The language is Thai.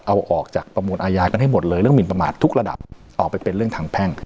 เอาออกจากประมวลอาญากันให้หมดเลยเรื่องหมินประมาททุกระดับออกไปเป็นเรื่องทางแพ่ง